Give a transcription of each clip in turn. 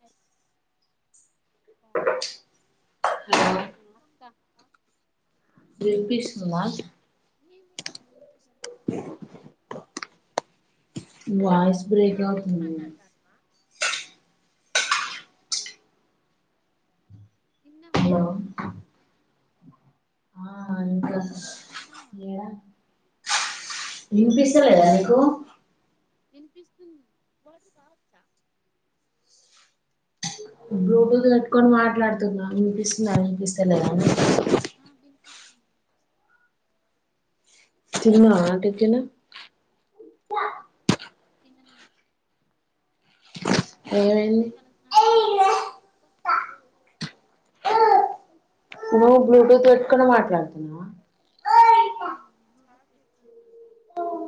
హా హలో వినిపిస్తుందా voice break అవుతుంది హలో ఆ అ ఇంకా ఏడా వినిపిస్తలేదా నీకు వినిపిస్తుంది వాడు రావచ్చా బ్లూటూత్ పెట్టుకొని మాట్లాడుతున్న వినిపిస్తుందా వినిపిస్త లేదా అని తిను మావ తిట్టినా హా ఏమని ఏమైంది ఇపుడే తల స్నానము చేసి వచ్చిన [inaudible] ఓ బ్లూటూత్ పెట్టుకుని మాట్లాడుతున్నావా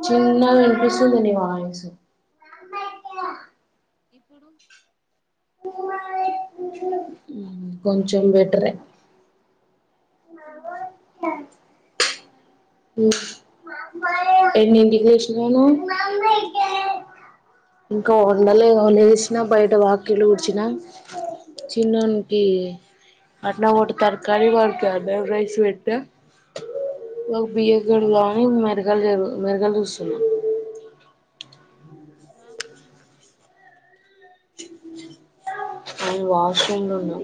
చిన్నగా వినిపిస్తుంది నీ వాయిసు ఇప్పుడు కొంచం బెటరే ఎమన్నా అడుగు ఉ ఎన్నింటి చేశినవు ఇంకా వండలే లేసినా బయట వాకిలి ఊడ్చిన చిన్ననోకి అన్నం వండటానికి వాడికి రైస్ పెట్టిన ఈ లోపు బియ్యం కడుగుదాం అని మరి మెరుగలు మెరుగలు చూస్తున్నా వాకింగ్ డిస్టెన్స్ ఉ వాష్ రూమ్ లో ఉన్నా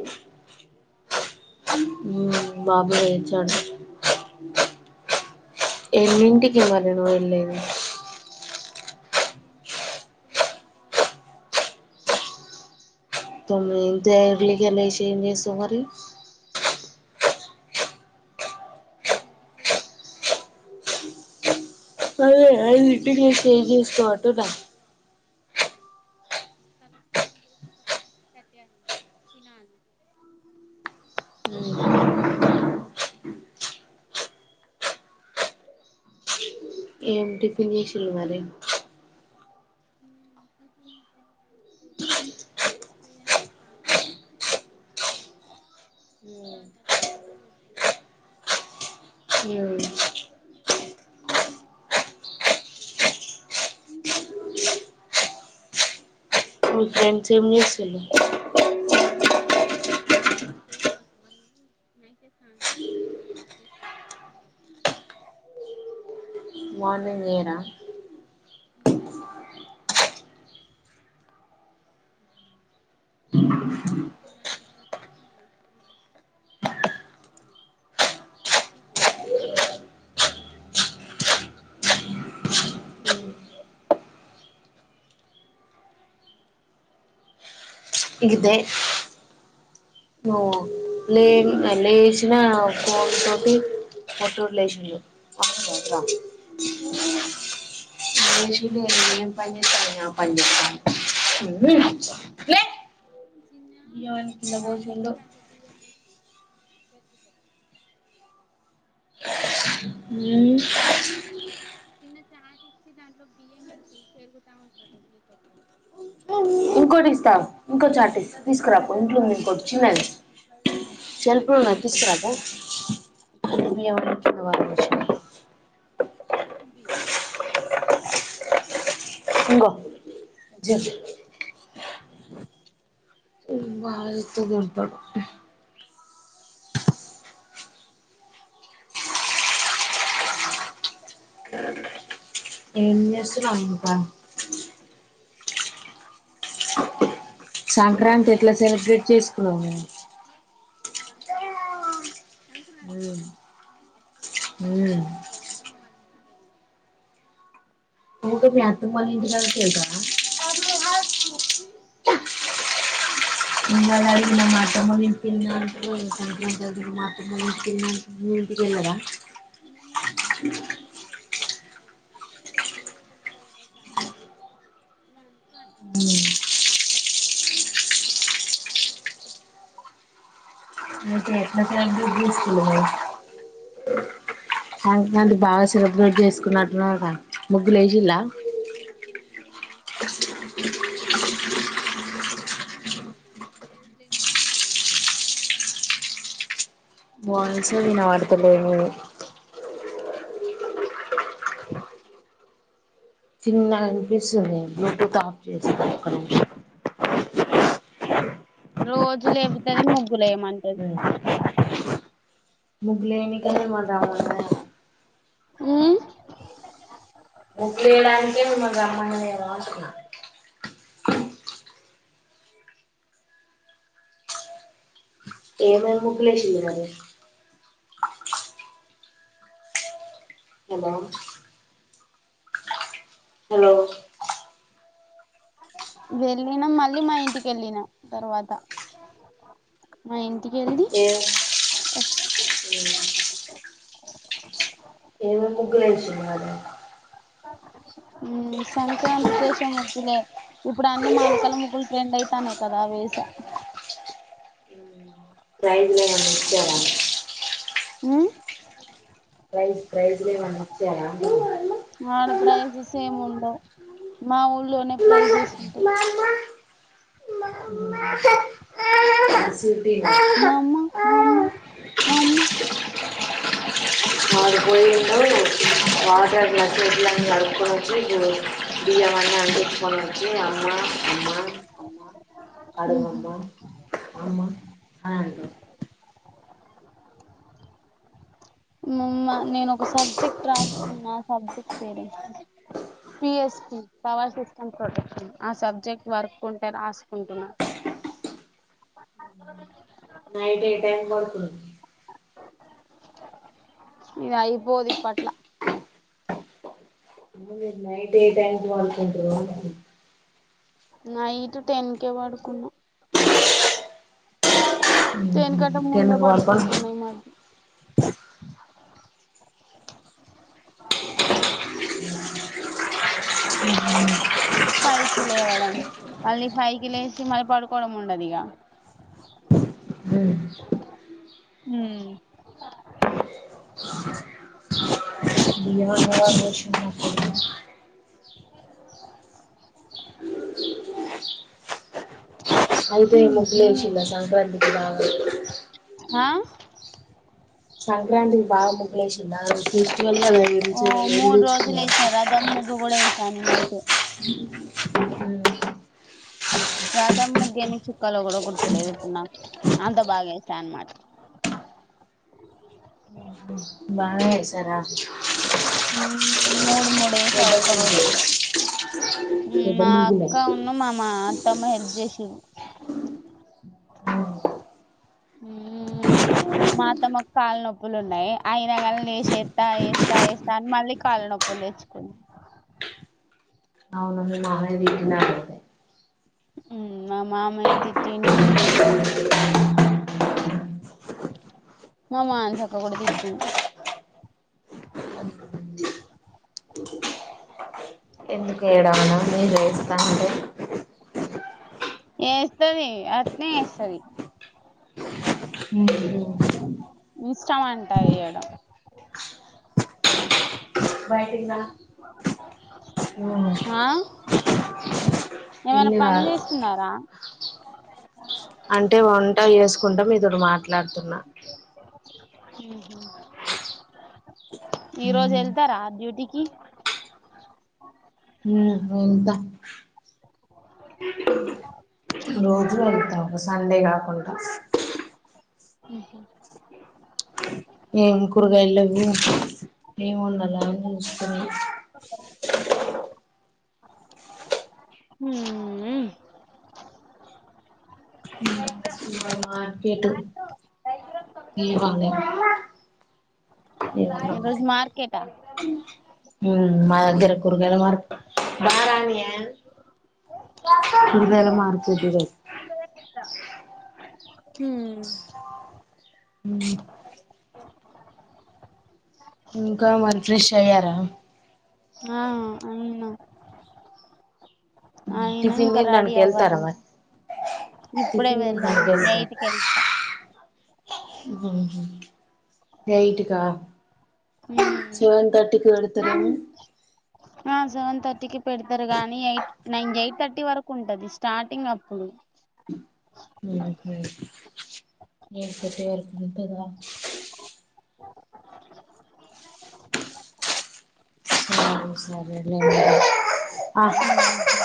బాబు లేచాడు ఎన్నింటికి మరి నువ్వు వెళ్ళేది నేను తొమ్మిదింటి వరకు ఇంత ఎర్లీ గా లేచి ఏం చేస్తావ్ మరి ఐదింటికి లేచాను అదే ఐదింటికి లేచి ఏం చేస్తావ్ అన్ [inaudible] తల స్నానం చేసే సరికే సిక్స్ థర్టీ అయ్యింది తినాలి ఏం టిఫిన్ చేసిళ్లు మరి మ్మ్ టిఫెన్ [unintelligible] తెలీదు సెవెన్ కి స్టార్ట్ అవుద్ది ఇంకా మరి సెవెన్ థర్టీకి అలా పెడతారు. మీ మ్మ్ హ్మ్ మీ ఫ్రెండ్స్ ఏం చేస్సుల్లు నాకేలే [unintelligible] ఫేస్ వాష్ మనము నైటే ఫేస్ స్నానం చేస్తా అనమాట ఫేస్ వాష్ కోసం. [unintelligible] మార్నింగ్ జేయర మ్మ్ హు చెయ్యము నా జుట్టారదు [unintelligible] ఇగిదే నువ్ లే లేచిన ఫోన్ తోటి పొట్టోడు లేసిండు అప్పుడికంత. [unintelligible] మ్మ్ హు ఏ బియ్యం అని కింద బోసిందో తెల్దులే హ్మ్ చిన్న చాట్ ఇచ్చి దాంట్లో బియ్యం వేసి చేరుగుతా ఉంటారు మీతో పాటు ఇంకోటి ఇస్తా ఇంకో చార్ట్ తీసుకురాపో ఇంట్లోంది ఇంకోటి చిన్నది సెల్ఫ్ లో ఉన్నాయ్ తీసుకరాపో బియ్యమన్ని కింద వడవోషిండు బియ్యమంట ఆడిచ్చు ఇంగో జా మీ బావ జూత్తే తిడ్తడు హ్ ఏం జేస్సున్నావ్ ఇంకా సంక్రాంతి ఎట్లా సెలబ్రేట్ చేసుకున్నాం సంక్రాం సంక్రాం నువ్వు అప్పుడు మీ మ్మ్ మా అత్తమ్మ వాళ్ళున్న ఒకటి అత్తమ్మ వాళ్ళ ఇంటికాడ తెలుసా అ [unintelligible] ముందుకు మా అమ్మ వాళ్ళ ఇంటికి వెళ్ళినాం ఇప్పుడు సంక్రాతికి కానీ మా అక్కలు ఇద్దరు ఎవరూ రాలేదు ఇంగన్ [unintelligible] మంది బాగా సెలబ్రేట్ చేసుకున్నట్టున్నావ్ గా నువ్ బ్రెజిల్లా త్తం రోజులేపు ముగలే మనం రోజు లేపు ముగలే మన వాన్స వినా వార్త పో చిన్న అనిపిస్తుంది బ్లూటూత్ ఆఫ్ చేస్తా అక్కడ రోజు లేబతేనే ముగ్ గులయమంటది ముగ్లేన్ని కదే [unintelligible] హ్మ్ [unintelligible] ఏదో అంటది ఏమేమి ముగ్గులేశింళ్ళు మరి హలో హలో వెళ్ళినాం. మళ్ళీ మా ఇంటికి వెళ్ళినాం. తర్వాత మా ఇం ఏ ఏమేమి ముగ్గులేశింళ్ళు మరీ సంక్రాంతి కేషే ముగ్గులే ఇప్పుడు అన్ని మాలకల ముగ్గులు ట్రెండ్ అయితానాయి. కదా అవి వేసా ప్రైజ్లు ఏమన్నా ఇచ్చారా హ్మ్ ఫైజ్ ప్రైజ్ ఏమన్నా ఇచ్చారా ఉండవ్ మా ఊర్లోనే ప్రైజెస్ ఉంటాయి. స్వీటీ మామ మామ మామ ఆడుపోయిండు వాటర్ గ్లాస్సెస్ అన్ని కడుక్కొని వచ్చి బియ్యం అన్ని [unintelligible] తీసుకొని వచ్చి అమ్మ అమ్మ అమ్మ ఆడుగ వామ్మా అమ్మ అని అంటుండు నేను ఒక సబ్జెక్ట్ రాస్తున్నా సబ్జెక్ట్ పేరెం పిఎస్ పవర్ సిస్టమ్ ప్రొటెన్ ఆ సబ్జెక్ట్ వర్క్ ఉంటే రాసుకుంటున్నాను. నైట్ ఏం టైం పోతారు. ఇది అయిపోదు ఇప్పట్లా నైట్ ఏం టైమ్ కి పడుకుంటారు అంటున్నా నైట్ టెన్ కేె పడుకున్నాం టెన్ కంటే టెన్ ముందే కు పడుకొని పడుకుంటున్నా ఈ మధ్య ఫైవ్ కి లేవడం మళ్ళీ, ఫైవ్ లేచి మళ్ళీ పడుకోవడం ఉండదు ఇగా అ హ్మ్ [unintelligible] అయితే ముగ్గు యేశింళ్ళ సంక్రాంతికి బాగా ఆ [unintelligible] సంక్రాంతి బాగా ముగ్గు లేశింళ్ళ [unintelligible] ఓ మూడు రోజులు యేశా రాదమ్ ముగ్గు కూడా వేసా నేనైతే హ్మ్ రాదామ్ ముగ్గు ఎన్ని చుక్కాలు కూడా గుర్తులేదు. ఇప్పుడు నాకు అంతా బాగా యేశా అన్మాట బానే చేసరా హ్మూ మ్మ్ మూడు మూడు ఎశ ఒక్క ముగ్గు రోజుకే, పెద్ద మా ముగ్గులే అక్క ఉన్ను మా మా అత్తమ్మ హెల్ప్ చేసిర్రు. మ్మ్ మా అత్తమ్మకు కాళ్ళ్ నొప్పులున్నాయి, అయినగాని లేసి ఏత్తా ఏస్తా ఏస్తా అని మళ్ళీ కాళ్ళ నొప్పులు తెచ్చుకుంది. మా [unintelligible] ఆ మామయ తిట్టిండు మా మానసక్క కూడ తిట్టింది [unintelligible] మీరు ఏస్తాంటే ఏస్తది అట్నే ఏస్తది. హ్మ్ హు ఇష్టం అంటా ఎయ్యడం. అయిపోయిందా ఆ ఏమైన ఇల్లు పని కాదు చేస్తున్నారా? అంటే వంట చేసుకుంట మీతోటి మాట్లాడుతున్న. హ్మ్ హు ఈ రోజు ఉమ్, ఎళ్తారా డ్యూటీకి? హ్మ్ ఎళ్త. రోజూ ఎళ్తా ఒక సండే కాకుంట. హ్మ్ హు ఏం కూరగాయల్లెవ్వు ఏం వండాల అని జూస్తున్న. హ్మూ హ్ మ్మ్ ఇవాళ మార్కెట్, తేవాలే ఏమన్న ఈ రోజు ఒకటి మార్కెటా మ్మ్ మా దగ్గర కూరుగాయల మర్కె బారానియే కూరగాయల మార్కెట్ ఈరోజ్ హ్మూ ఇంకా మరి ఫ్రెష్ అయ్యారా? ఆ అయినా అయిన టిఫిన్ ఇంక రెడీ తినడానికి వెళ్తారా అవ్వలేదు. మరి ఇప్పుడే టిఫిన్ తినడానికి వెళ్ళను ఎయిట్ కి ఎళ్త. హ్మ్ హు ఎయిట్కా! హ్మ్ సెవెన్ తర్టీకి పెడ్ త్రం ఆ సెవెన్ థర్టీకి పెడుతారు కానీ, ఎయిట్ నైన్ ఎయిట్ థర్టీ వరకు ఉంటది స్టార్టింగ్ అప్పుడు. హ్మ్ హు ఎయిట్ థర్టీ వరకు ఉంటదా! ఆ సరేలేండి. హ్మ్ హు